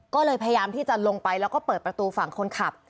ก็เลยพยายามที่จะลงไปแล้วก็เปิดประตูฝั่งคนขับ